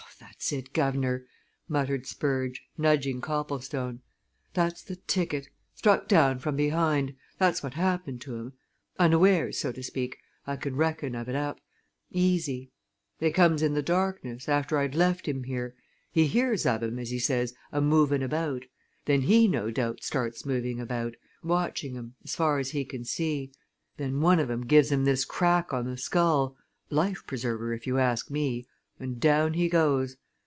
"That's it guv'nor," muttered Spurge, nudging Copplestone. "That's the ticket! Struck down from behind that's what happened to him. Unawares, so to speak, I can reckon of it up easy. They comes in the darkness after I'd left him here. He hears of 'em, as he says, a moving about. Then he no doubt starts moving about watching 'em, as far as he can see. Then one of 'em gives him this crack on the skull life preserver if you ask me and down he goes!